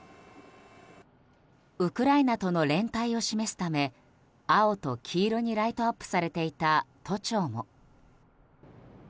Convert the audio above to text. ウクライナとの連帯を示すため青と黄色にライトアップされていた都庁も。